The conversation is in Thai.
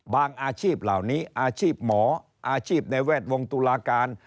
อาชีพเหล่านี้อาชีพหมออาชีพในแวดวงตุลาการ